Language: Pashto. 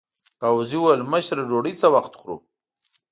ګاووزي وویل: مشره ډوډۍ څه وخت خورو؟